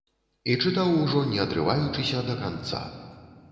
І чытаў ужо, не адрываючыся, да канца.